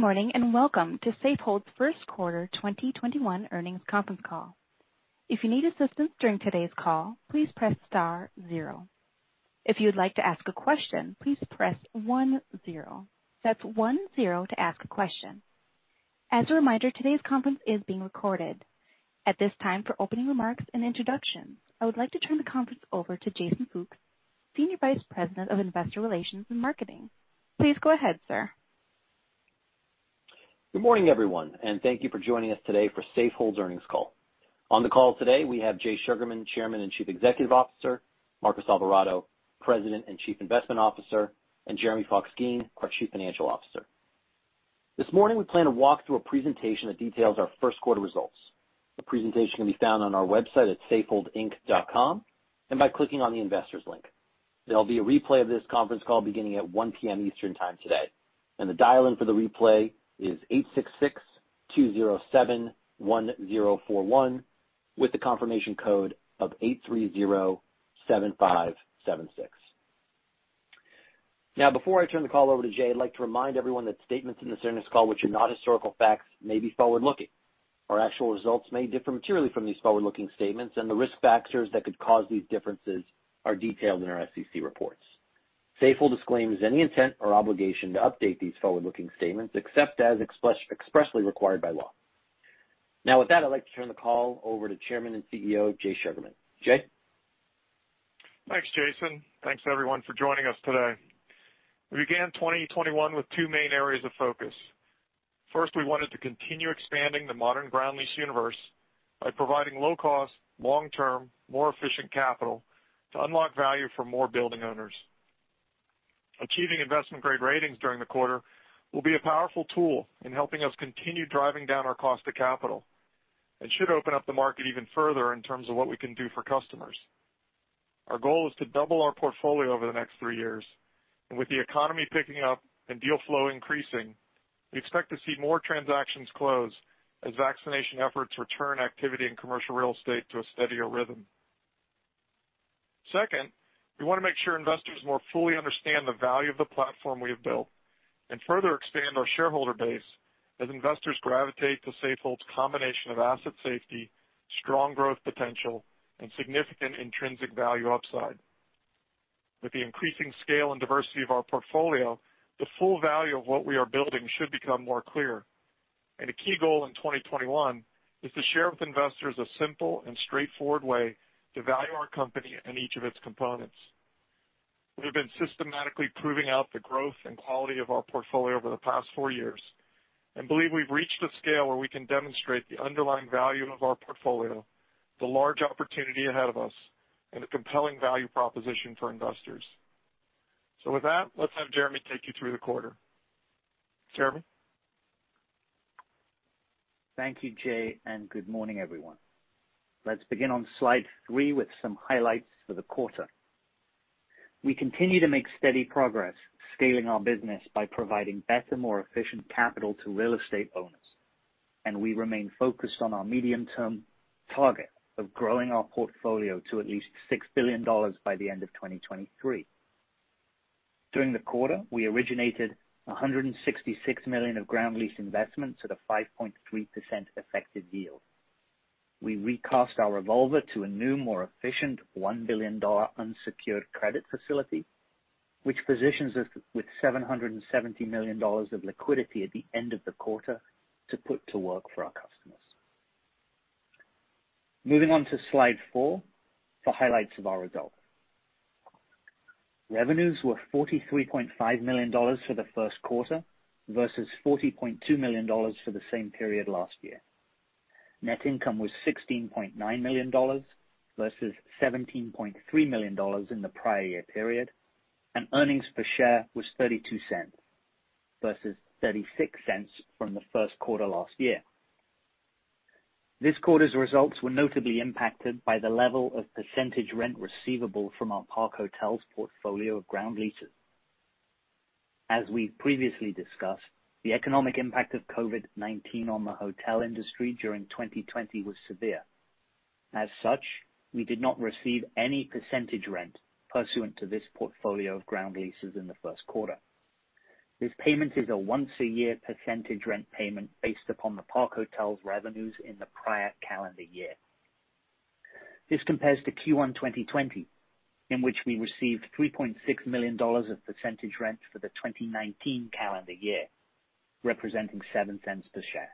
Good morning, and welcome to Safehold's first quarter 2021 earnings conference call. If you need assistance during today's call, please press star zero. If you would like to ask a question, please press one zero. That's one zero to ask a question. As a reminder, today's conference is being recorded. At this time, for opening remarks and introductions, I would like to turn the conference over to Jason Fooks, Senior Vice President of Investor Relations and Marketing. Please go ahead, sir. Good morning, everyone, and thank you for joining us today for Safehold's earnings call. On the call today, we have Jay Sugarman, Chairman and Chief Executive Officer, Marcos Alvarado, President and Chief Investment Officer, and Jeremy Fox-Geen, our Chief Financial Officer. This morning, we plan to walk through a presentation that details our first quarter results. The presentation can be found on our website at safeholdinc.com and by clicking on the investors link. There'll be a replay of this conference call beginning at 1:00 P.M. Eastern Time today. The dial-in for the replay is 866-207-1041, with the confirmation code of 8307576. Now, before I turn the call over to Jay, I'd like to remind everyone that statements in this earnings call which are not historical facts may be forward-looking. Our actual results may differ materially from these forward-looking statements, and the risk factors that could cause these differences are detailed in our SEC reports. Safehold disclaims any intent or obligation to update these forward-looking statements, except as expressly required by law. Now with that, I'd like to turn the call over to Chairman and CEO, Jay Sugarman. Jay? Thanks, Jason. Thanks, everyone, for joining us today. We began 2021 with two main areas of focus. First, we wanted to continue expanding the modern ground lease universe by providing low-cost, long-term, more efficient capital to unlock value for more building owners. Achieving investment-grade ratings during the quarter will be a powerful tool in helping us continue driving down our cost of capital and should open up the market even further in terms of what we can do for customers. Our goal is to double our portfolio over the next three years. With the economy picking up and deal flow increasing, we expect to see more transactions close as vaccination efforts return activity in commercial real estate to a steadier rhythm. Second, we want to make sure investors more fully understand the value of the platform we have built and further expand our shareholder base as investors gravitate to Safehold's combination of asset safety, strong growth potential, and significant intrinsic value upside. With the increasing scale and diversity of our portfolio, the full value of what we are building should become more clear. A key goal in 2021 is to share with investors a simple and straightforward way to value our company and each of its components. We have been systematically proving out the growth and quality of our portfolio over the past four years and believe we've reached a scale where we can demonstrate the underlying value of our portfolio, the large opportunity ahead of us, and a compelling value proposition for investors. With that, let's have Jeremy take you through the quarter. Jeremy? Thank you, Jay. Good morning, everyone. Let's begin on slide 3 with some highlights for the quarter. We continue to make steady progress scaling our business by providing better, more efficient capital to real estate owners, and we remain focused on our medium-term target of growing our portfolio to at least $6 billion by the end of 2023. During the quarter, we originated $166 million of ground lease investments at a 5.3% effective yield. We recast our revolver to a new, more efficient $1 billion unsecured credit facility, which positions us with $770 million of liquidity at the end of the quarter to put to work for our customers. Moving on to slide 4 for highlights of our results. Revenues were $43.5 million for the first quarter versus $40.2 million for the same period last year. Net income was $16.9 million versus $17.3 million in the prior year period, and earnings per share was $0.32 versus $0.36 from the first quarter last year. This quarter's results were notably impacted by the level of percentage rent receivable from our Park Hotels portfolio of ground leases. As we previously discussed, the economic impact of COVID-19 on the hotel industry during 2020 was severe. As such, we did not receive any percentage rent pursuant to this portfolio of ground leases in the first quarter. This payment is a once-a-year percentage rent payment based upon the Park Hotels revenues in the prior calendar year. This compares to Q1 2020, in which we received $3.6 million of percentage rent for the 2019 calendar year, representing $0.07 per share.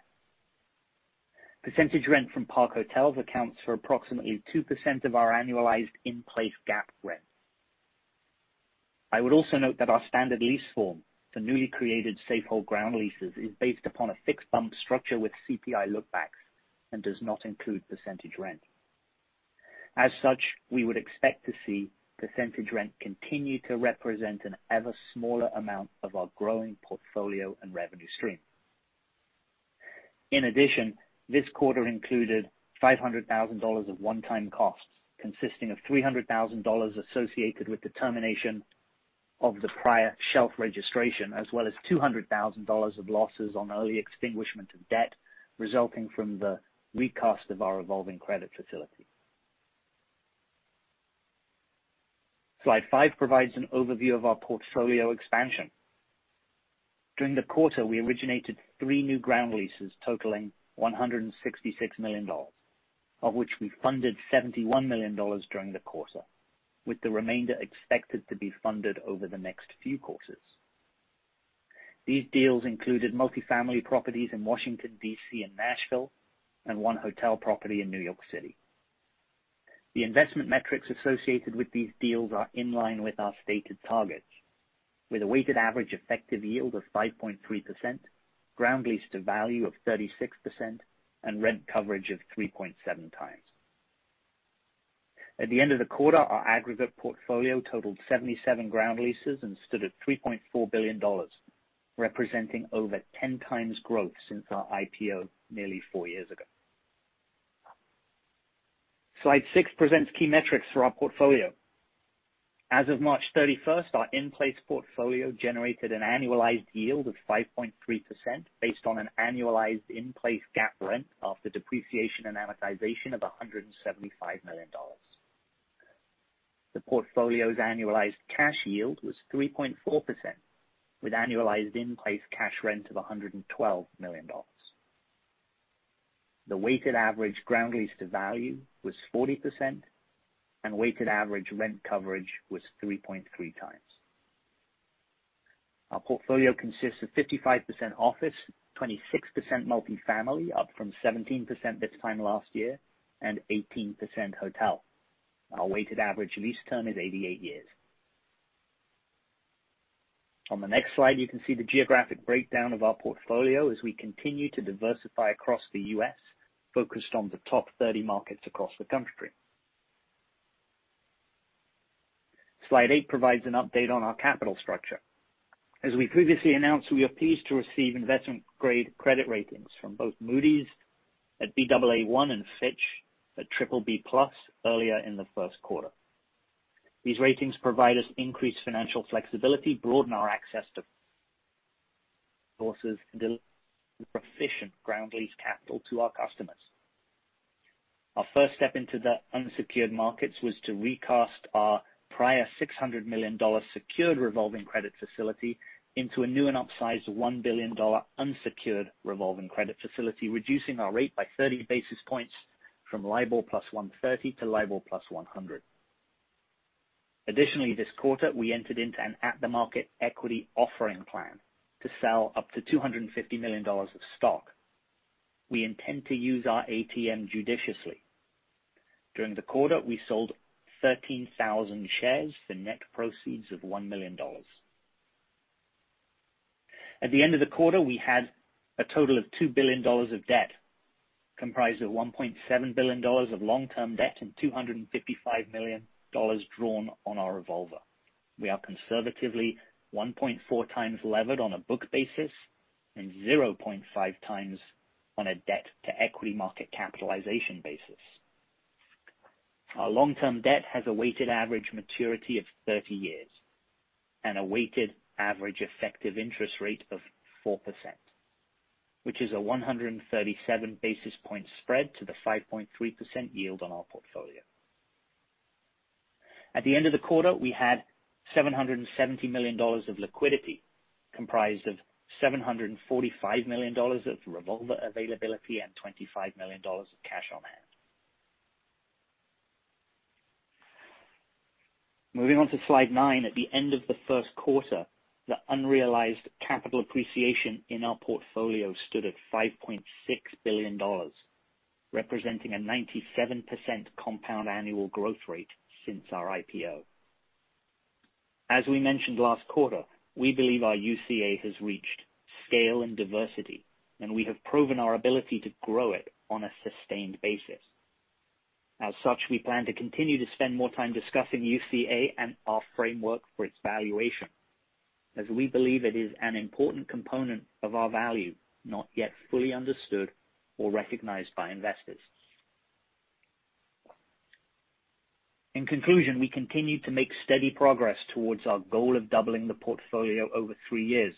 Percentage rent from Park Hotels accounts for approximately 2% of our annualized in-place GAAP rent. I would also note that our standard lease form for newly created Safehold ground leases is based upon a fixed bump structure with CPI lookbacks and does not include percentage rent. As such, we would expect to see percentage rent continue to represent an ever-smaller amount of our growing portfolio and revenue stream. In addition, this quarter included $500,000 of one-time costs, consisting of $300,000 associated with the termination of the prior shelf registration, as well as $200,000 of losses on early extinguishment of debt resulting from the recast of our revolving credit facility. Slide 5 provides an overview of our portfolio expansion. During the quarter, we originated three new ground leases totaling $166 million, of which we funded $71 million during the quarter, with the remainder expected to be funded over the next few quarters. These deals included multi-family properties in Washington, D.C. and Nashville, and one hotel property in New York City. The investment metrics associated with these deals are in line with our stated targets, with a weighted average effective yield of 5.3%, ground lease to value of 36%, and rent coverage of 3.7x. At the end of the quarter, our aggregate portfolio totaled 77 ground leases and stood at $3.4 billion, representing over 10x growth since our IPO nearly four years ago. Slide 6 presents key metrics for our portfolio. As of March 31st, our in-place portfolio generated an annualized yield of 5.3% based on an annualized in-place GAAP rent after depreciation and amortization of $175 million. The portfolio's annualized cash yield was 3.4%, with annualized in-place cash rent of $112 million. The weighted average ground lease to value was 40%, and weighted average rent coverage was 3.3x. Our portfolio consists of 55% office, 26% multi-family, up from 17% this time last year, and 18% hotel. Our weighted average lease term is 88 years. On the next slide, you can see the geographic breakdown of our portfolio as we continue to diversify across the U.S., focused on the top 30 markets across the country. Slide 8 provides an update on our capital structure. As we previously announced, we are pleased to receive investment-grade credit ratings from both Moody's at Baa1 and Fitch at BBB+ earlier in the first quarter. These ratings provide us increased financial flexibility, broaden our access to sources, and deliver efficient ground lease capital to our customers. Our first step into the unsecured markets was to recast our prior $600 million secured revolving credit facility into a new and upsized $1 billion unsecured revolving credit facility, reducing our rate by 30 basis points from LIBOR plus 130 to LIBOR plus 100. Additionally, this quarter, we entered into an at-the-market equity offering plan to sell up to $250 million of stock. We intend to use our ATM judiciously. During the quarter, we sold 13,000 shares for net proceeds of $1 million. At the end of the quarter, we had a total of $2 billion of debt, comprised of $1.7 billion of long-term debt and $255 million drawn on our revolver. We are conservatively 1.4x levered on a book basis and 0.5 times on a debt to equity market capitalization basis. Our long-term debt has a weighted average maturity of 30 years and a weighted average effective interest rate of 4%, which is a 137 basis point spread to the 5.3% yield on our portfolio. At the end of the quarter, we had $770 million of liquidity, comprised of $745 million of revolver availability and $25 million of cash on hand. Moving on to slide 9. At the end of the first quarter, the unrealized capital appreciation in our portfolio stood at $5.6 billion, representing a 97% compound annual growth rate since our IPO. As we mentioned last quarter, we believe our UCA has reached scale and diversity, and we have proven our ability to grow it on a sustained basis. As such, we plan to continue to spend more time discussing UCA and our framework for its valuation, as we believe it is an important component of our value, not yet fully understood or recognized by investors. In conclusion, we continue to make steady progress towards our goal of doubling the portfolio over three years.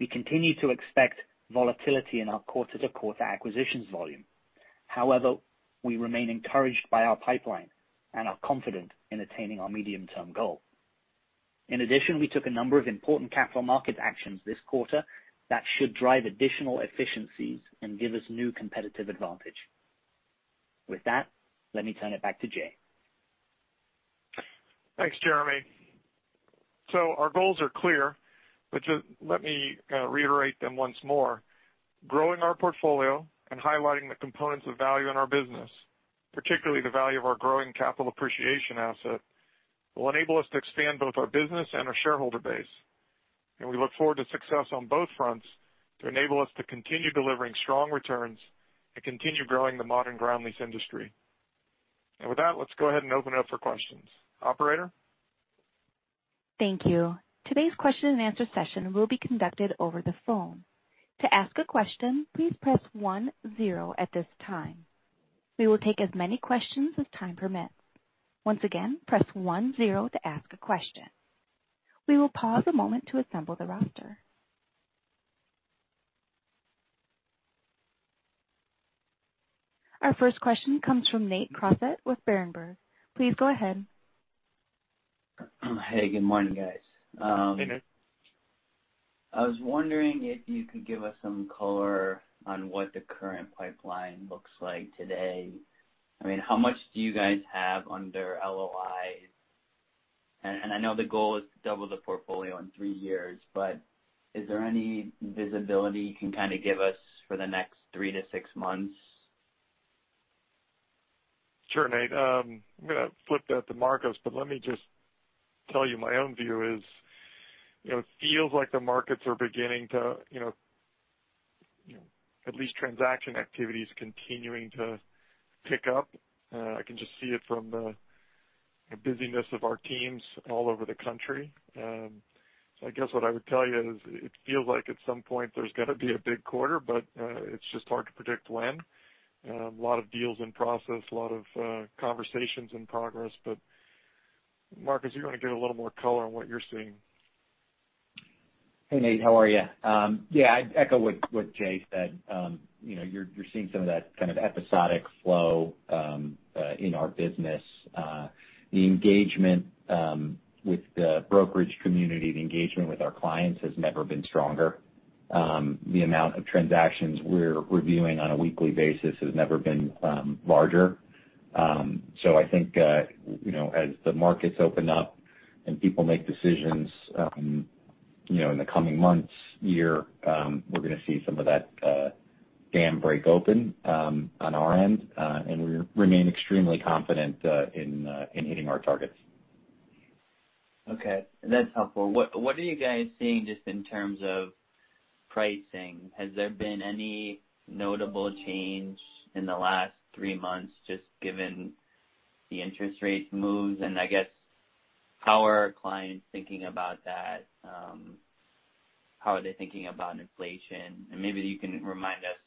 We continue to expect volatility in our quarter-to-quarter acquisitions volume. However, we remain encouraged by our pipeline and are confident in attaining our medium-term goal. In addition, we took a number of important capital market actions this quarter that should drive additional efficiencies and give us new competitive advantage. With that, let me turn it back to Jay. Thanks, Jeremy. Our goals are clear, but just let me reiterate them once more. Growing our portfolio and highlighting the components of value in our business, particularly the value of our growing capital appreciation asset, will enable us to expand both our business and our shareholder base. We look forward to success on both fronts to enable us to continue delivering strong returns and continue growing the modern ground lease industry. With that, let's go ahead and open it up for questions. Operator? Thank you. Today's question-and-answer session will be conducted over the phone. To ask a question, please press one zero at this time. We will take as many questions as time permits. Once again, press one zero to ask a question. We will pause a moment to assemble the roster. Our first question comes from Nate Crossett with Berenberg. Please go ahead. Hey, good morning, guys. Hey, Nate. I was wondering if you could give us some color on what the current pipeline looks like today. How much do you guys have under LOI? I know the goal is to double the portfolio in three years, but is there any visibility you can give us for the next three to six months? Sure, Nate. I'm going to flip that to Marcos, but let me just tell you, my own view is, it feels like the markets are beginning to, at least transaction activity, is continuing to pick up. I can just see it from the busyness of our teams all over the country. I guess what I would tell you is it feels like at some point there's going to be a big quarter, but it's just hard to predict when. A lot of deals in process, a lot of conversations in progress. Marcos, you want to give a little more color on what you're seeing? Hey, Nate, how are you? Yeah, I'd echo what Jay said. You're seeing some of that kind of episodic flow, in our business. The engagement, with the brokerage community, the engagement with our clients has never been stronger. The amount of transactions we're reviewing on a weekly basis has never been larger. I think, as the markets open up and people make decisions in the coming months, year, we're going to see some of that dam break open, on our end. We remain extremely confident in hitting our targets. Okay. That's helpful. What are you guys seeing just in terms of pricing? Has there been any notable change in the last three months, just given the interest rate moves, and I guess, how are clients thinking about that? How are they thinking about inflation? Maybe you can remind us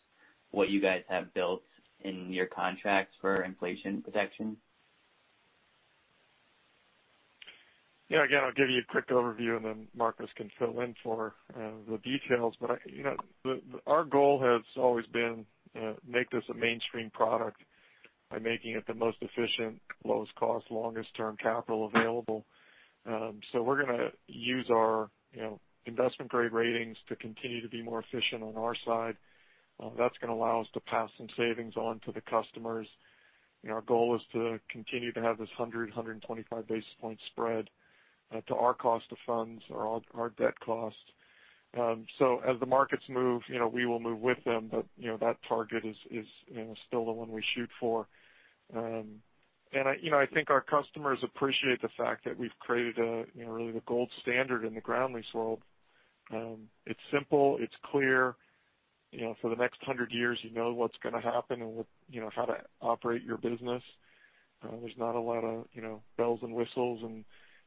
what you guys have built in your contracts for inflation protection. Yeah. Again, I'll give you a quick overview and then Marcos can fill in for the details. Our goal has always been make this a mainstream product by making it the most efficient, lowest cost, longest term capital available. We're going to use our investment-grade ratings to continue to be more efficient on our side. That's going to allow us to pass some savings on to the customers. Our goal is to continue to have this 100, 125 basis point spread to our cost of funds or our debt cost. As the markets move, we will move with them. That target is still the one we shoot for. I think our customers appreciate the fact that we've created really the gold standard in the ground lease world. It's simple, it's clear. For the next 100 years, you know what's going to happen and how to operate your business. There's not a lot of bells and whistles and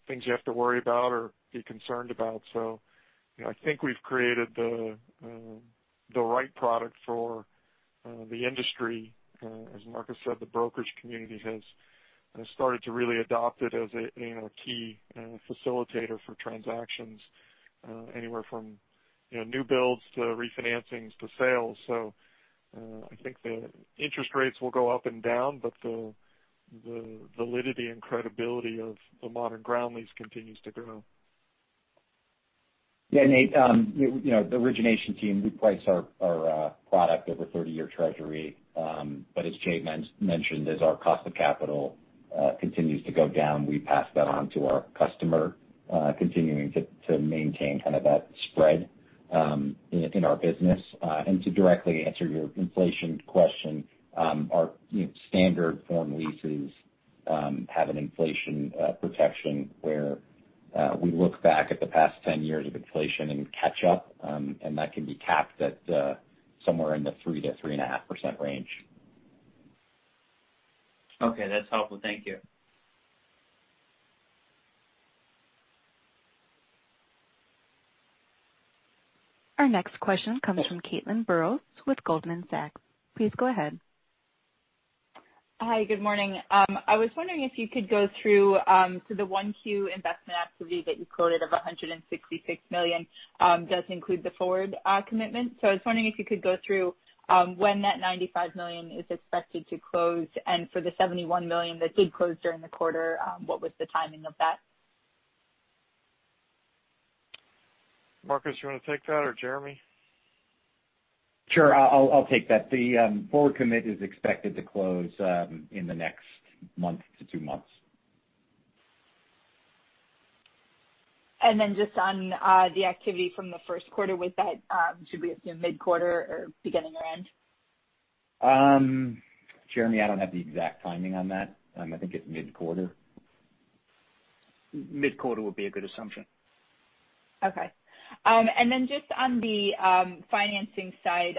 things you have to worry about or be concerned about. I think we've created the right product for the industry. As Marcos said, the brokerage community has started to really adopt it as a key facilitator for transactions, anywhere from new builds to refinancings to sales. I think the interest rates will go up and down, but the validity and credibility of the modern ground lease continues to grow. Yeah, Nate, the origination team, we price our product over 30-year treasury. As Jay mentioned, as our cost of capital continues to go down, we pass that on to our customer, continuing to maintain that spread in our business. To directly answer your inflation question, our standard form leases have an inflation protection where we look back at the past 10 years of inflation and catch up. That can be capped at somewhere in the 3%-3.5% range. Okay. That's helpful. Thank you. Our next question comes from Caitlin Burrows with Goldman Sachs. Please go ahead. Hi. Good morning. I was wondering if you could go through, the 1Q investment activity that you quoted of $166 million does include the forward commitment. I was wondering if you could go through when that $95 million is expected to close, and for the $71 million that did close during the quarter, what was the timing of that? Marcos, you want to take that, or Jeremy? Sure. I'll take that. The forward commit is expected to close in the next month to two months. Just on the activity from the first quarter, was that, should we assume mid-quarter or beginning or end? Jeremy, I don't have the exact timing on that. I think it's mid-quarter. Mid-quarter would be a good assumption. Okay. Just on the financing side,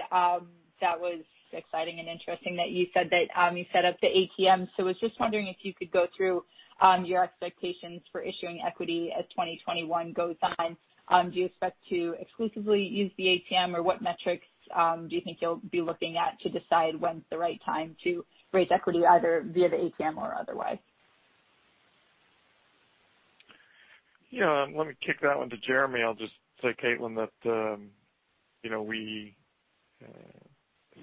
that was exciting and interesting that you said that you set up the ATM. I was just wondering if you could go through your expectations for issuing equity as 2021 goes on. Do you expect to exclusively use the ATM or what metrics do you think you'll be looking at to decide when's the right time to raise equity, either via the ATM or otherwise? Yeah. Let me kick that one to Jeremy. I'll just say, Caitlin, that we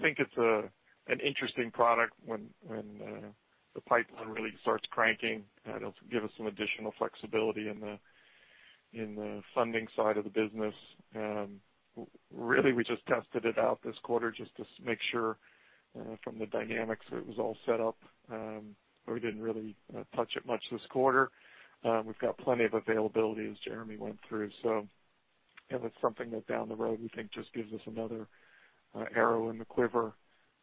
think it's an interesting product when the pipeline really starts cranking. It'll give us some additional flexibility in the funding side of the business. Really, we just tested it out this quarter just to make sure from the dynamics that it was all set up. We didn't really touch it much this quarter. We've got plenty of availability as Jeremy went through. It's something that down the road we think just gives us another arrow in the quiver.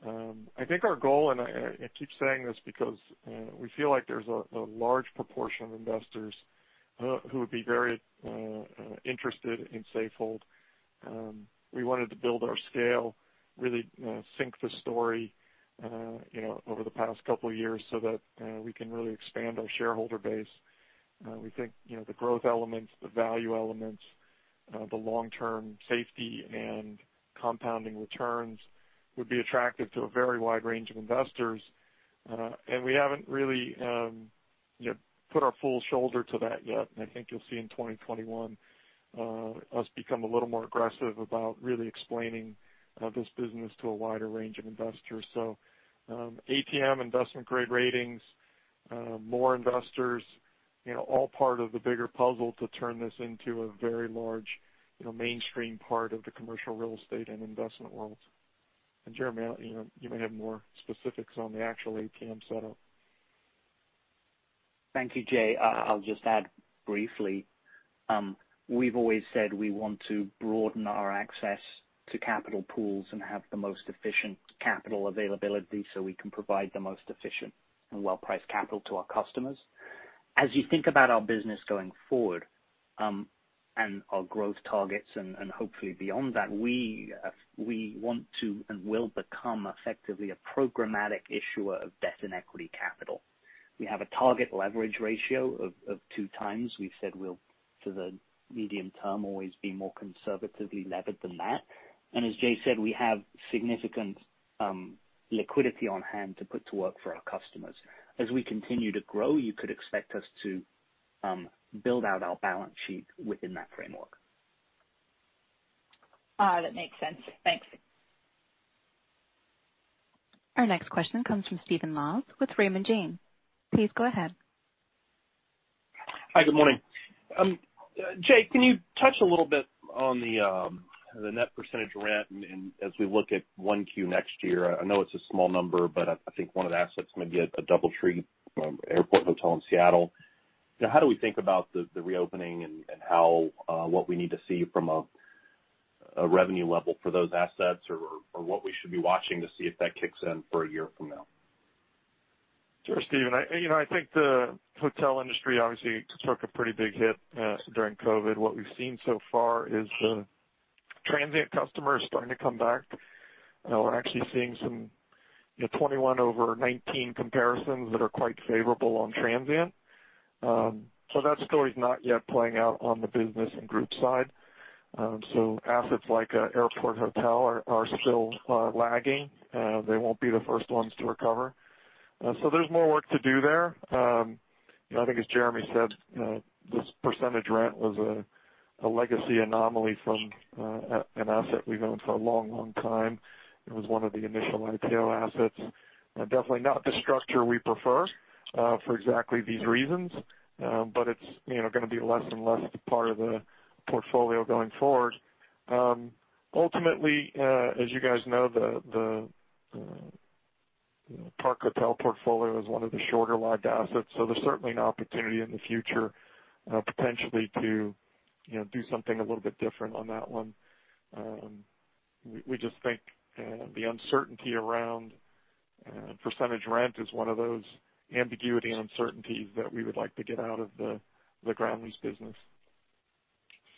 I think our goal, and I keep saying this because we feel like there's a large proportion of investors who would be very interested in Safehold. We wanted to build our scale, really sink the story over the past couple of years so that we can really expand our shareholder base. We think the growth elements, the value elements, the long-term safety, and compounding returns would be attractive to a very wide range of investors. We haven't really put our full shoulder to that yet. I think you'll see in 2021 us become a little more aggressive about really explaining this business to a wider range of investors. ATM investment-grade ratings, more investors, all part of the bigger puzzle to turn this into a very large, mainstream part of the commercial real estate and investment world. Jeremy, you may have more specifics on the actual ATM setup. Thank you, Jay. I'll just add briefly. We've always said we want to broaden our access to capital pools and have the most efficient capital availability so we can provide the most efficient and well-priced capital to our customers. As you think about our business going forward, and our growth targets and hopefully beyond that, we want to and will become effectively a programmatic issuer of debt and equity capital. We have a target leverage ratio of 2x. We've said we'll, for the medium term, always be more conservatively levered than that. As Jay said, we have significant liquidity on hand to put to work for our customers. As we continue to grow, you could expect us to build out our balance sheet within that framework. That makes sense. Thanks. Our next question comes from Stephen Laws with Raymond James. Please go ahead. Hi. Good morning. Jay, can you touch a little bit on the net percentage rent and as we look at 1Q next year, I know it's a small number, but I think one of the assets may be a Doubletree Airport Hotel in Seattle. How do we think about the reopening and what we need to see from a revenue level for those assets or what we should be watching to see if that kicks in for a year from now? Sure, Stephen. I think the hotel industry obviously took a pretty big hit during COVID. What we've seen so far is transient customers starting to come back. We're actually seeing some 21 over 19 comparisons that are quite favorable on transient. That story's not yet playing out on the business and group side. Assets like Airport Hotel are still lagging. They won't be the first ones to recover. There's more work to do there. I think as Jeremy said, this percentage rent was a legacy anomaly from an asset we've owned for a long time. It was one of the initial IPO assets. Definitely not the structure we prefer for exactly these reasons, but it's going to be less and less part of the portfolio going forward. Ultimately, as you guys know, the Park Hotel portfolio is one of the shorter locked assets, so there's certainly an opportunity in the future potentially to do something a little bit different on that one. We just think the uncertainty around percentage rent is one of those ambiguity and uncertainties that we would like to get out of the ground lease business.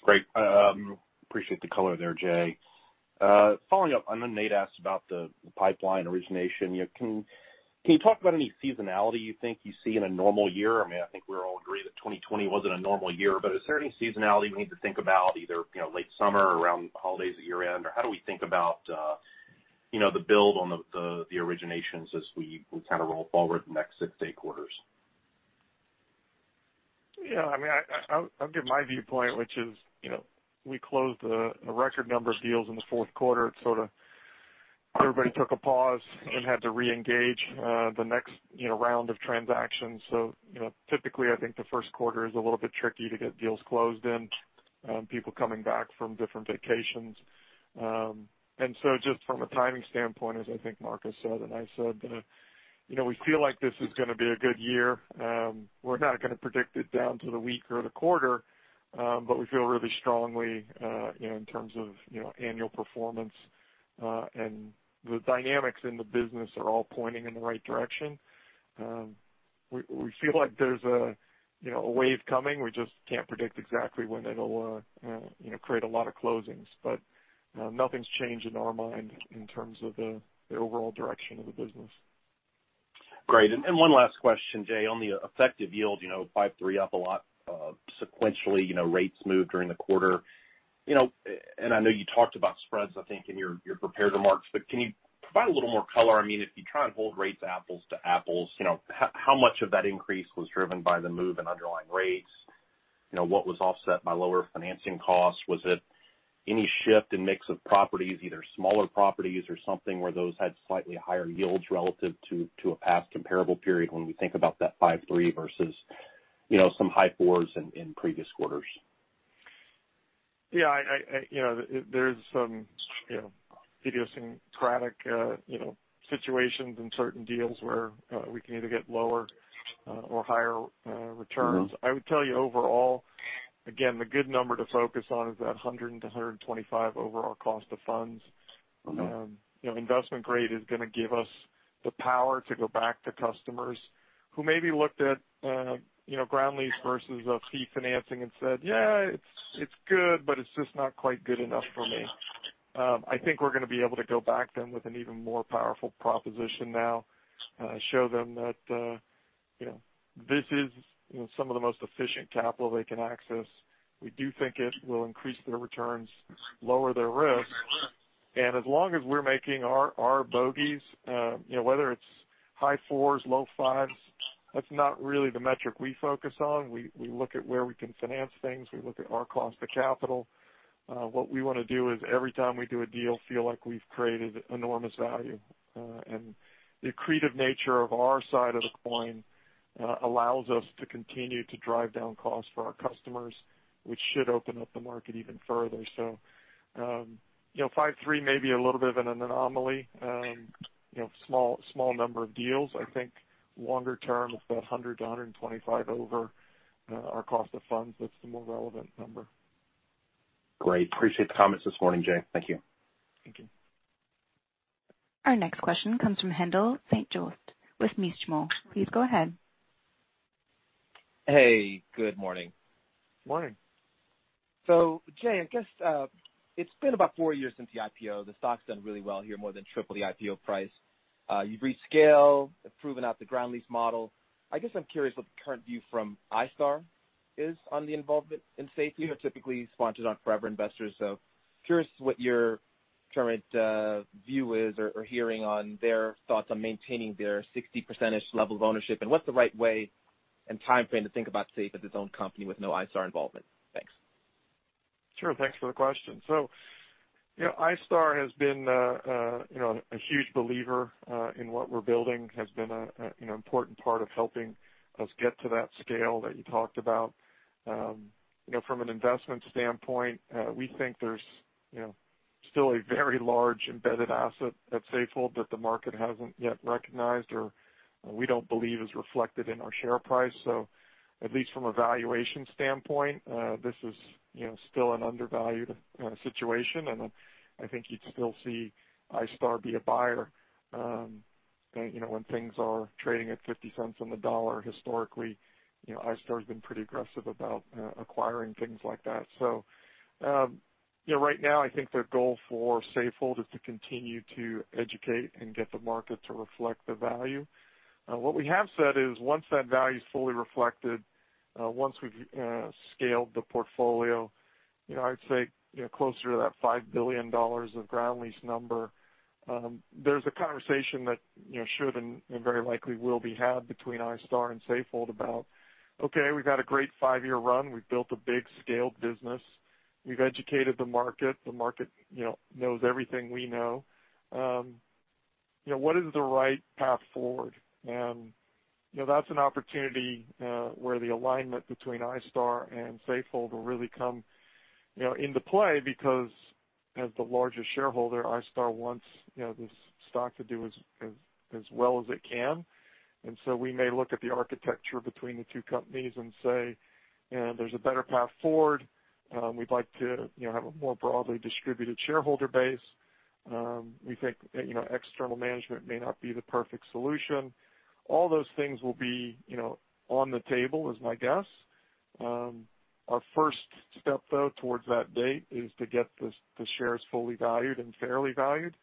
Great. Appreciate the color there, Jay. Following up, I know Nate asked about the pipeline origination. Can you talk about any seasonality you think you see in a normal year? I think we all agree that 2020 wasn't a normal year. Is there any seasonality we need to think about either late summer around holidays at year-end? How do we think about the build on the originations as we roll forward the next six, eight quarters? Yeah. I'll give my viewpoint, which is we closed a record number of deals in the fourth quarter. It sort of everybody took a pause and had to reengage the next round of transactions. Typically, I think the first quarter is a little bit tricky to get deals closed and people coming back from different vacations. Just from a timing standpoint, as I think Marcos said and I said, we feel like this is going to be a good year. We're not going to predict it down to the week or the quarter. We feel really strongly in terms of annual performance, and the dynamics in the business are all pointing in the right direction. We feel like there's a wave coming. We just can't predict exactly when it'll create a lot of closings. Nothing's changed in our mind in terms of the overall direction of the business. Great. One last question, Jay, on the effective yield, 5.3% up a lot sequentially, rates moved during the quarter. I know you talked about spreads, I think, in your prepared remarks, but can you provide a little more color? If you try and hold rates apples to apples, how much of that increase was driven by the move in underlying rates? What was offset by lower financing costs? Was it any shift in mix of properties, either smaller properties or something where those had slightly higher yields relative to a past comparable period when we think about that 5.3% versus some high fours in previous quarters? Yeah. There's some idiosyncratic situations in certain deals where we can either get lower or higher returns. I would tell you overall, again, the good number to focus on is that 100 to 125 overall cost of funds. Okay. Investment grade is going to give us the power to go back to customers who maybe looked at ground lease versus a fee financing and said, "Yeah, it's good, but it's just not quite good enough for me." I think we're going to be able to go back then with an even more powerful proposition now, show them that this is some of the most efficient capital they can access. We do think it will increase their returns, lower their risk. As long as we're making our bogies, whether it's high fours, low fives, that's not really the metric we focus on. We look at where we can finance things. We look at our cost of capital. What we want to do is every time we do a deal, feel like we've created enormous value. The accretive nature of our side of the coin allows us to continue to drive down costs for our customers, which should open up the market even further. 5.3 may be a little bit of an anomaly. Small number of deals. I think longer term, if that 100 to 125 over our cost of funds, that's the more relevant number. Great. Appreciate the comments this morning, Jay. Thank you. Thank you. Our next question comes from Haendel St. Juste with Mizuho. Please go ahead. Hey, good morning. Morning. Jay, I guess, it's been about four years since the IPO. The stock's done really well here, more than triple the IPO price. You've rescaled, proven out the ground lease model. I guess I'm curious what the current view from iStar is on the involvement in SAFE. You know, typically sponsors aren't forever investors, so curious what your current view is or hearing on their thoughts on maintaining their 60%-ish level of ownership, and what's the right way and timeframe to think about SAFE as its own company with no iStar involvement? Thanks. Sure. Thanks for the question. iStar has been a huge believer in what we're building, has been an important part of helping us get to that scale that you talked about. From an investment standpoint, we think there's still a very large embedded asset at Safehold that the market hasn't yet recognized or we don't believe is reflected in our share price. At least from a valuation standpoint, this is still an undervalued situation, and I think you'd still see iStar be a buyer. When things are trading at $0.50 on the dollar historically, iStar's been pretty aggressive about acquiring things like that. Right now, I think the goal for Safehold is to continue to educate and get the market to reflect the value. What we have said is once that value's fully reflected, once we've scaled the portfolio, I'd say closer to that $5 billion of ground lease number, there's a conversation that should and very likely will be had between iStar and Safehold about, okay, we've had a great five-year run. We've built a big scaled business. We've educated the market. The market knows everything we know. What is the right path forward? That's an opportunity where the alignment between iStar and Safehold will really come into play because as the largest shareholder, iStar wants this stock to do as well as it can. We may look at the architecture between the two companies and say, "There's a better path forward. We'd like to have a more broadly distributed shareholder base. We think external management may not be the perfect solution." All those things will be on the table is my guess. Our first step, though, towards that date is to get the shares fully valued and fairly valued.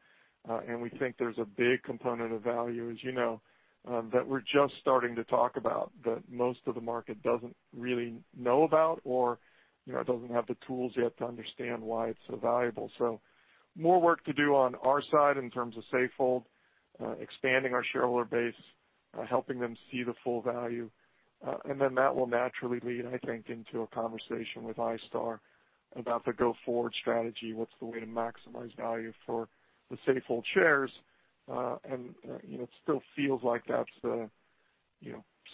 We think there's a big component of value, as you know, that we're just starting to talk about, that most of the market doesn't really know about or doesn't have the tools yet to understand why it's so valuable. More work to do on our side in terms of Safehold, expanding our shareholder base, helping them see the full value, and then that will naturally lead, I think, into a conversation with iStar about the go-forward strategy. What's the way to maximize value for the Safehold shares? It still feels like that's the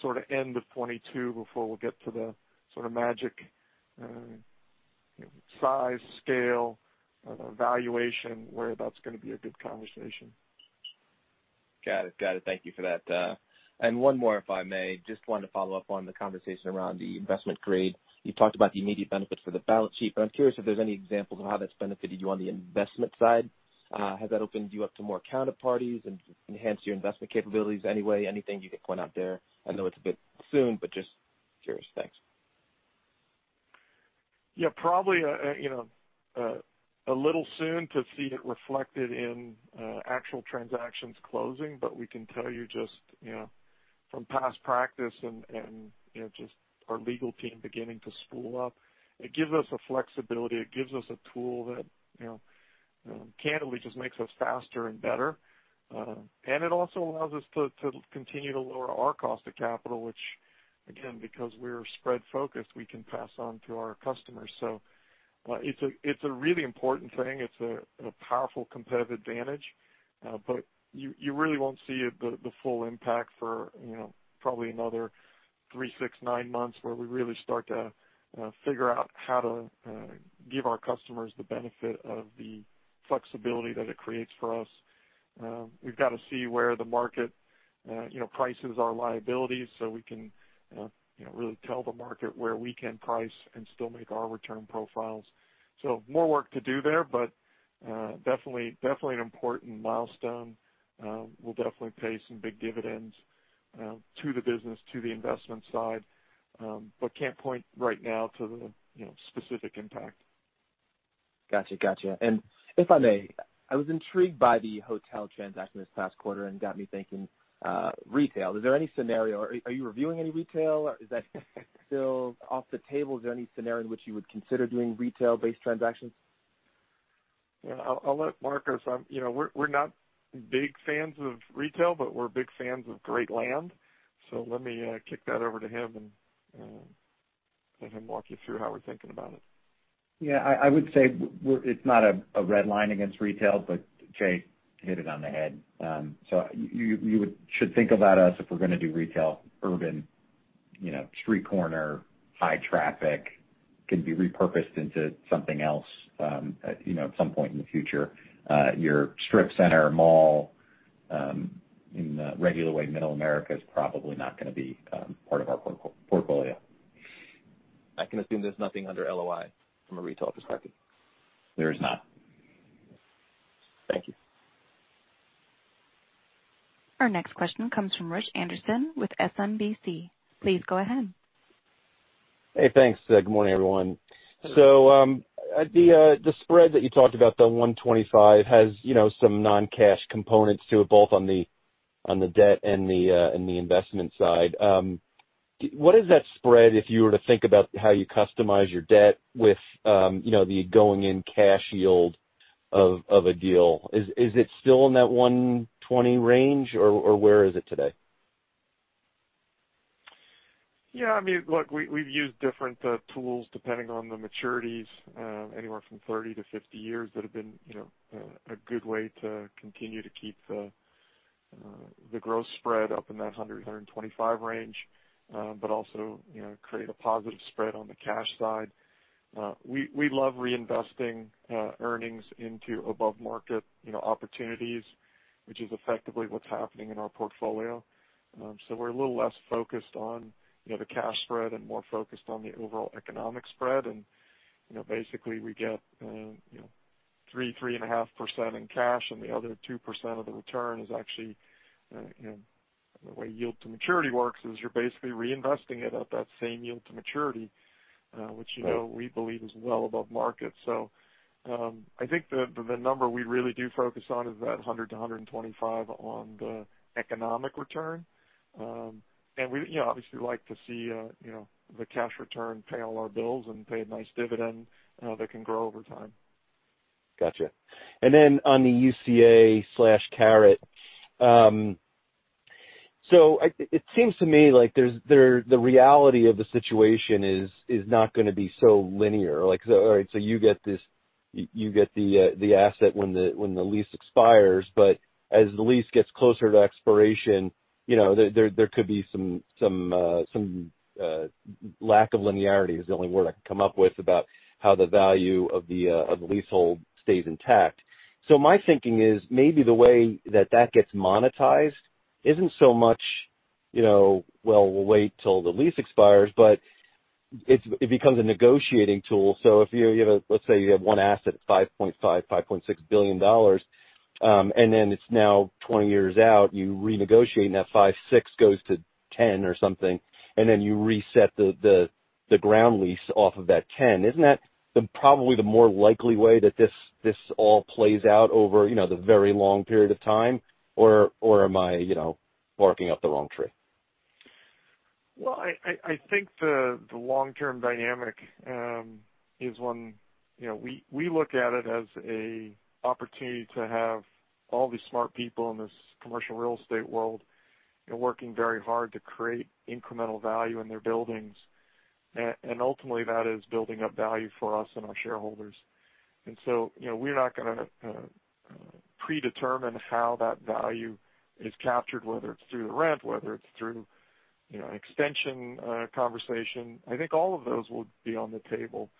sort of end of 2022 before we'll get to the sort of magic size, scale, valuation where that's going to be a good conversation. Got it. Thank you for that. One more, if I may. Just wanted to follow up on the conversation around the investment grade. You talked about the immediate benefits for the balance sheet. I'm curious if there's any examples of how that's benefited you on the investment side. Has that opened you up to more counterparties and enhanced your investment capabilities in any way? Anything you could point out there? I know it's a bit soon. Just curious. Thanks. Yeah. Probably a little soon to see it reflected in actual transactions closing, but we can tell you just from past practice and just our legal team beginning to spool up. It gives us a flexibility, it gives us a tool that candidly just makes us faster and better. It also allows us to continue to lower our cost of capital, which again, because we're spread focused, we can pass on to our customers. It's a really important thing. It's a powerful competitive advantage. You really won't see the full impact for probably another three, six, nine months, where we really start to figure out how to give our customers the benefit of the flexibility that it creates for us. We've got to see where the market prices our liabilities so we can really tell the market where we can price and still make our return profiles. More work to do there, but definitely an important milestone. Will definitely pay some big dividends to the business, to the investment side. Can't point right now to the specific impact. Got you. If I may, I was intrigued by the hotel transaction this past quarter and got me thinking retail. Is there any scenario, are you reviewing any retail? Is that still off the table? Is there any scenario in which you would consider doing retail-based transactions? Yeah, I'll let Marcos. We're not big fans of retail, but we're big fans of great land. Let me kick that over to him and let him walk you through how we're thinking about it. Yeah, I would say it's not a red line against retail, but Jay hit it on the head. You should think about us if we're going to do retail, urban, street corner, high traffic, can be repurposed into something else at some point in the future. Your strip center mall, in the regular way, middle America is probably not going to be part of our portfolio. I can assume there's nothing under LOI from a retail perspective. There is not. Thank you. Our next question comes from Rich Anderson with SMBC. Please go ahead. Hey, thanks. Good morning, everyone. The spread that you talked about, the 125, has some non-cash components to it, both on the debt and the investment side. What is that spread, if you were to think about how you customize your debt with the going-in cash yield of a deal? Is it still in that 120 range, or where is it today? Yeah, look, we've used different tools depending on the maturities, anywhere from 30-50 years, that have been a good way to continue to keep the growth spread up in that 100-125 range. Also create a positive spread on the cash side. We love reinvesting earnings into above-market opportunities, which is effectively what's happening in our portfolio. We're a little less focused on the cash spread and more focused on the overall economic spread. Basically, we get 3%-3.5% in cash, and the other 2% of the return is actually, the way yield to maturity works is you're basically reinvesting it at that same yield to maturity, which we believe is well above market. I think the number we really do focus on is that 100-125 on the economic return. We obviously like to see the cash return pay all our bills and pay a nice dividend that can grow over time. Got you. On the UCA/Caret. It seems to me like the reality of the situation is not going to be so linear. You get the asset when the lease expires, but as the lease gets closer to expiration, there could be some lack of linearity, is the only word I can come up with about how the value of the leasehold stays intact. My thinking is, maybe the way that that gets monetized isn't so much, well, we'll wait till the lease expires, but it becomes a negotiating tool. Let's say you have one asset at $5.5 billion, $5.6 billion. It's now 20 years out, you renegotiate and that $5.6 billion goes to $10 billion or something, and then you reset the ground lease off of that $10 billion. Isn't that probably the more likely way that this all plays out over the very long period of time? Or am I barking up the wrong tree? Well, I think the long-term dynamic is one. We look at it as an opportunity to have all these smart people in this commercial real estate world working very hard to create incremental value in their buildings. Ultimately, that is building up value for us and our shareholders. We're not going to predetermine how that value is captured, whether it's through the rent, whether it's through an extension conversation. I think all of those will be on the table.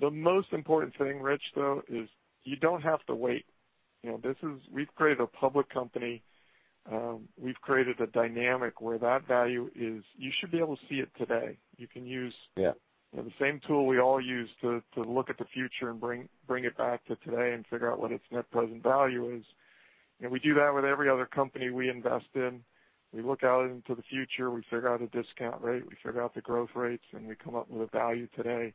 The most important thing, Rich, though, is you don't have to wait. We've created a public company. We've created a dynamic where that value is, you should be able to see it today. You can use- Yeah the same tool we all use to look at the future and bring it back to today and figure out what its net present value is. We do that with every other company we invest in. We look out into the future, we figure out a discount rate, we figure out the growth rates, and we come up with a value today.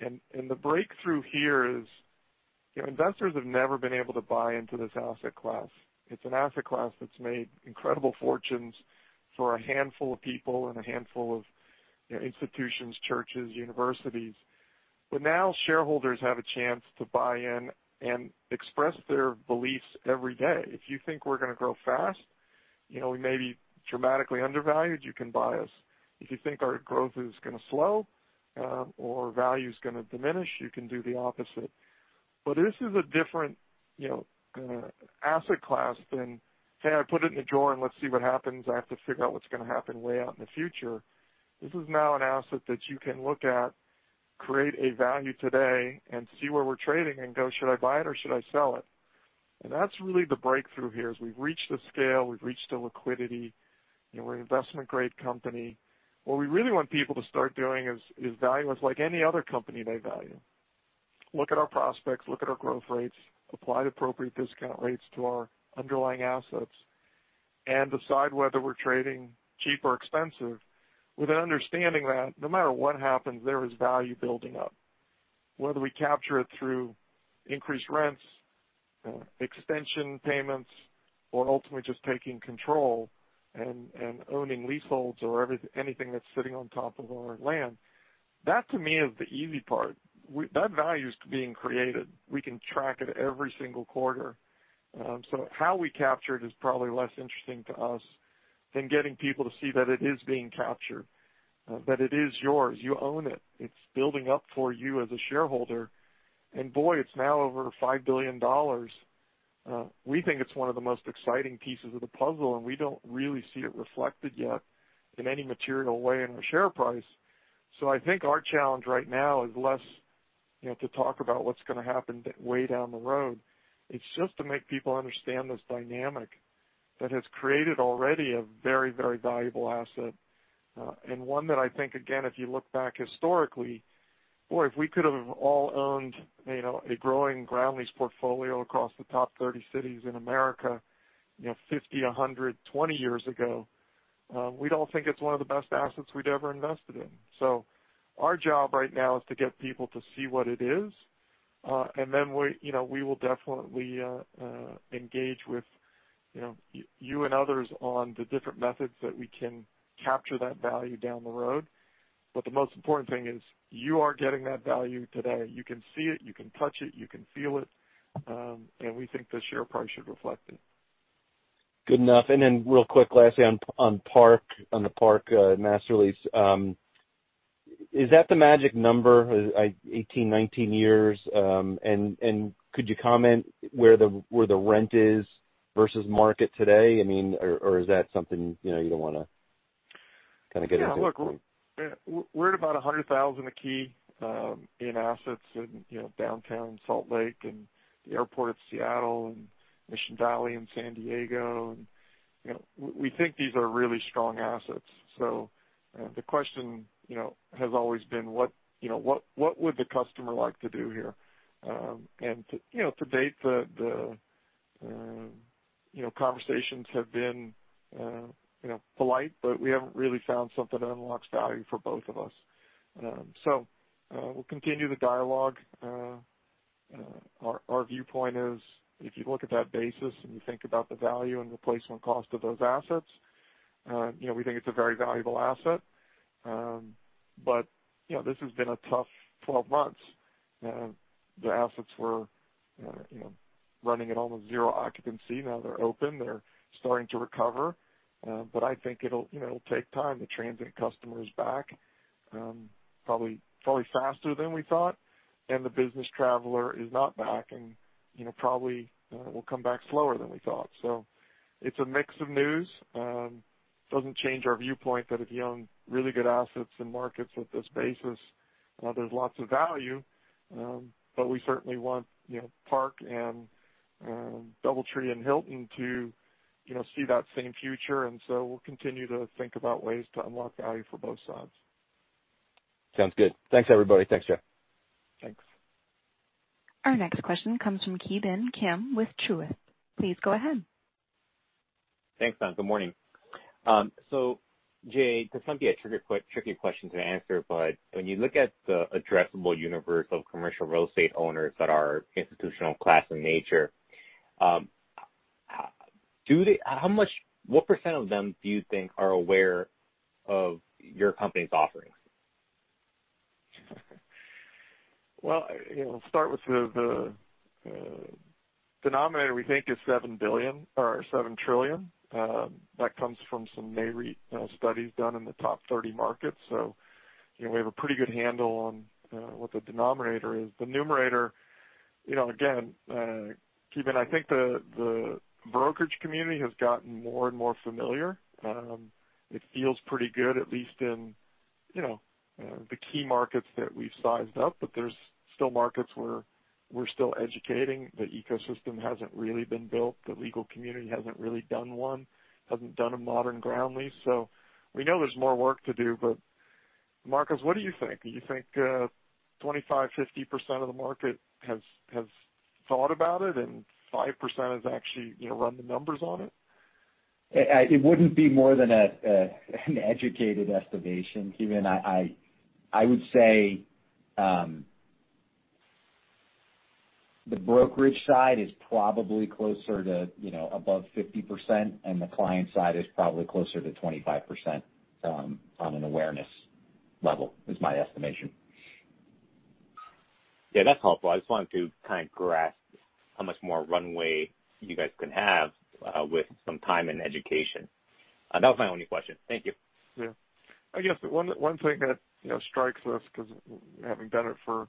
The breakthrough here is investors have never been able to buy into this asset class. It's an asset class that's made incredible fortunes for a handful of people and a handful of institutions, churches, universities. Now shareholders have a chance to buy in and express their beliefs every day. If you think we're going to grow fast, we may be dramatically undervalued, you can buy us. If you think our growth is going to slow or value is going to diminish, you can do the opposite. This is a different asset class than, "Hey, I put it in a drawer, and let's see what happens. I have to figure out what's going to happen way out in the future." This is now an asset that you can look at, create a value today, and see where we're trading and go, "Should I buy it, or should I sell it?" That's really the breakthrough here, is we've reached the scale, we've reached the liquidity. We're an investment-grade company. What we really want people to start doing is value us like any other company they value. Look at our prospects, look at our growth rates, apply the appropriate discount rates to our underlying assets, and decide whether we're trading cheap or expensive with an understanding that no matter what happens, there is value building up. Whether we capture it through increased rents, extension payments, or ultimately just taking control and owning leaseholds or anything that's sitting on top of our land. That, to me, is the easy part. That value is being created. We can track it every single quarter. How we capture it is probably less interesting to us than getting people to see that it is being captured, that it is yours. You own it. It's building up for you as a shareholder, and boy, it's now over $5 billion. We think it's one of the most exciting pieces of the puzzle, and we don't really see it reflected yet in any material way in our share price. I think our challenge right now is less to talk about what's going to happen way down the road. It's just to make people understand this dynamic that has created already a very, very valuable asset. One that I think, again, if you look back historically, boy, if we could have all owned a growing ground lease portfolio across the top 30 cities in America 50, 100, 20 years ago, we'd all think it's one of the best assets we'd ever invested in. Our job right now is to get people to see what it is, and then we will definitely engage with you and others on the different methods that we can capture that value down the road. The most important thing is you are getting that value today. You can see it, you can touch it, you can feel it, and we think the share price should reflect it. Good enough. Real quick, lastly on the Park master lease. Is that the magic number, 18, 19 years? Could you comment where the rent is versus market today? Is that something you don't want to kind of get into? Look, we're at about 100,000 a key in assets in Downtown Salt Lake City and the airport at Seattle and Mission Valley in San Diego. We think these are really strong assets. The question has always been, what would the customer like to do here? To date, the conversations have been polite, but we haven't really found something that unlocks value for both of us. We'll continue the dialogue. Our viewpoint is, if you look at that basis and you think about the value and replacement cost of those assets, we think it's a very valuable asset. This has been a tough 12 months. The assets were running at almost zero occupancy. Now they're open, they're starting to recover. I think it'll take time. The transient customer is back, probably faster than we thought, and the business traveler is not back and probably will come back slower than we thought. It's a mix of news. It doesn't change our viewpoint that if you own really good assets in markets with this basis, there's lots of value. We certainly want Park and Doubletree and Hilton to see that same future. We'll continue to think about ways to unlock value for both sides. Sounds good. Thanks, everybody. Thanks, Jay. Thanks. Our next question comes from Ki Bin Kim with Truist. Please go ahead. Thanks. Good morning. Jay, this might be a tricky question to answer, but when you look at the addressable universe of commercial real estate owners that are institutional class in nature, what percent of them do you think are aware of your company's offerings? Well, I'll start with the denominator, we think, is 7 trillion. That comes from some Nareit studies done in the top 30 markets. We have a pretty good handle on what the denominator is. The numerator, again, Kim, I think the brokerage community has gotten more and more familiar. It feels pretty good, at least in the key markets that we've sized up. There's still markets where we're still educating. The ecosystem hasn't really been built. The legal community hasn't really done one, hasn't done a modern ground lease. We know there's more work to do. Marcos, what do you think? Do you think 25%, 50% of the market has thought about it, and 5% has actually run the numbers on it? It wouldn't be more than an educated estimation, Kim. I would say the brokerage side is probably closer to above 50%, and the client side is probably closer to 25% on an awareness level, is my estimation. Yeah, that's helpful. I just wanted to grasp how much more runway you guys can have with some time and education. That was my only question. Thank you. Yeah. I guess one thing that strikes us, because having done it for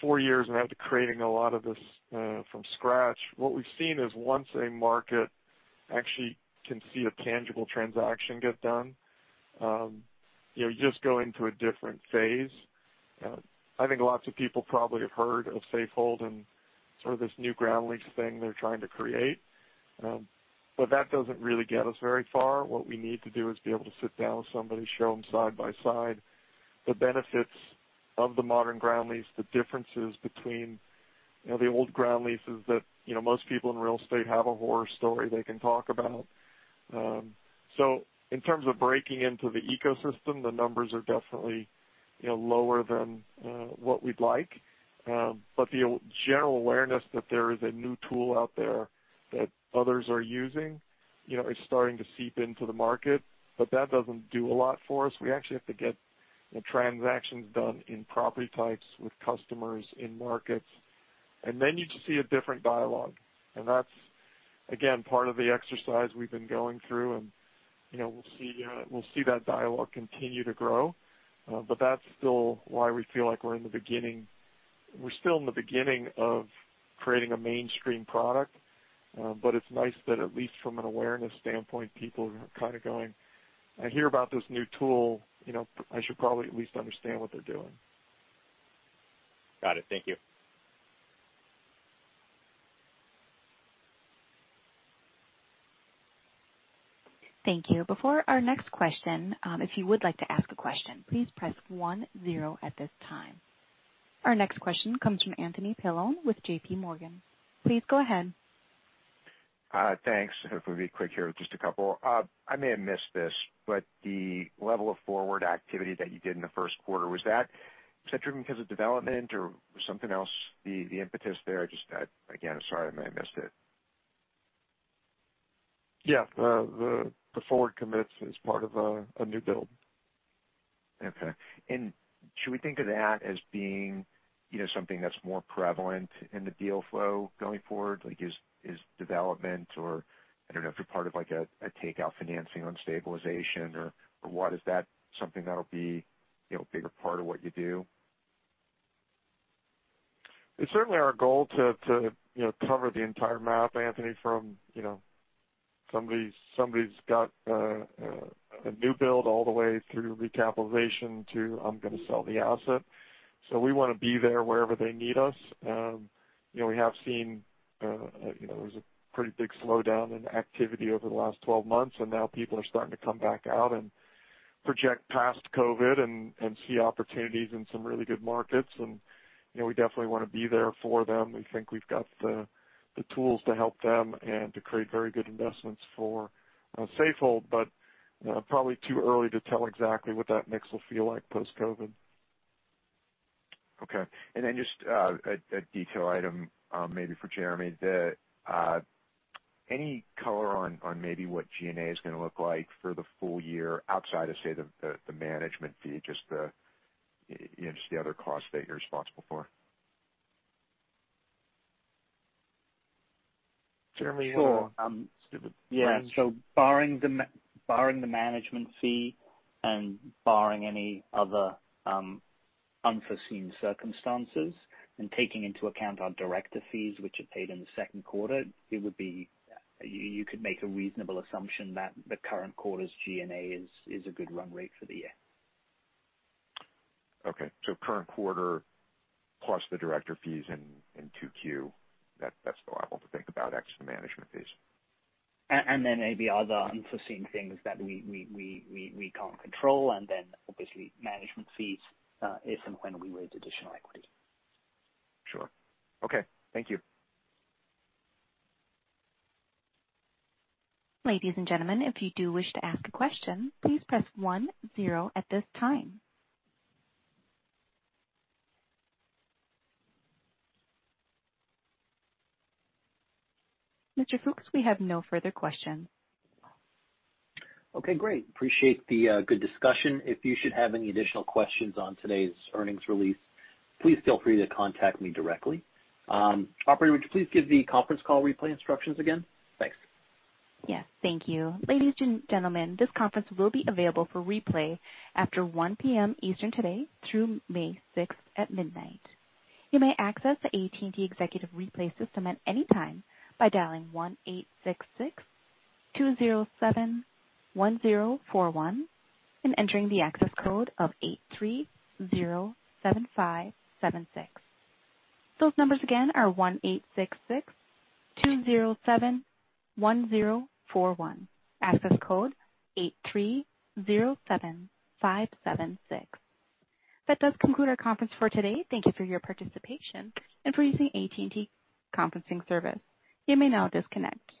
four years and after creating a lot of this from scratch, what we've seen is once a market actually can see a tangible transaction get done, you just go into a different phase. I think lots of people probably have heard of Safehold and sort of this new ground lease thing they're trying to create. That doesn't really get us very far. What we need to do is be able to sit down with somebody, show them side by side the benefits of the modern ground lease, the differences between the old ground leases that most people in real estate have a horror story they can talk about. In terms of breaking into the ecosystem, the numbers are definitely lower than what we'd like. The general awareness that there is a new tool out there that others are using, is starting to seep into the market. That doesn't do a lot for us. We actually have to get transactions done in property types with customers in markets, and then you just see a different dialogue. That's, again, part of the exercise we've been going through, and we'll see that dialogue continue to grow. That's still why we feel like we're still in the beginning of creating a mainstream product. It's nice that at least from an awareness standpoint, people are kind of going, "I hear about this new tool, I should probably at least understand what they're doing. Got it. Thank you. Thank you. Before our next question, if you would like to ask a question, please press one zero at this time. Our next question comes from Anthony Paolone with JPMorgan. Please go ahead. Thanks. If we'll be quick here with just a couple. I may have missed this, but the level of forward activity that you did in the first quarter, was that driven because of development or something else, the impetus there? Just again, sorry, I may have missed it. Yeah. The forward commits is part of a new build. Okay. Should we think of that as being something that's more prevalent in the deal flow going forward? Is development or, I don't know, if you're part of a takeout financing on stabilization or what? Is that something that'll be a bigger part of what you do? It's certainly our goal to cover the entire map, Anthony, from somebody's got a new build all the way through recapitalization to I'm going to sell the asset. We want to be there wherever they need us. We have seen there was a pretty big slowdown in activity over the last 12 months. Now people are starting to come back out and project past COVID and see opportunities in some really good markets. We definitely want to be there for them. We think we've got the tools to help them and to create very good investments for Safehold. Probably too early to tell exactly what that mix will feel like post-COVID. Okay. Just a detail item, maybe for Jeremy. Any color on maybe what G&A is going to look like for the full year outside of, say, the management fee, just the other costs that you're responsible for? Jeremy- Sure. Give it range. Yeah. Barring the management fee and barring any other unforeseen circumstances, and taking into account our director fees, which are paid in the second quarter, you could make a reasonable assumption that the current quarter's G&A is a good run rate for the year. Okay. Current quarter plus the director fees in 2Q, that's the level to think about, ex the management fees. Maybe other unforeseen things that we can't control, and then obviously management fees, if and when we raise additional equity. Sure. Okay. Thank you. Ladies and gentlemen, if you do wish to ask a question, please press one zero at this time. Mr. Fooks, we have no further questions. Okay, great. Appreciate the good discussion. If you should have any additional questions on today's earnings release, please feel free to contact me directly. Operator, would you please give the conference call replay instructions again? Thanks. Yes. Thank you. Ladies and gentlemen, this conference will be available for replay after 1:00 PM Eastern today through May 6th at midnight. You may access the AT&T executive replay system at any time by dialing 1-866-207-1041 and entering the access code of 8307576. Those numbers again are 1-866-207-1041. Access code 8307576. That does conclude our conference for today. Thank you for your participation and for using AT&T Conferencing Service. You may now disconnect.